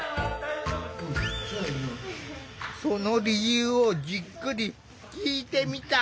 その理由をじっくり聞いてみた。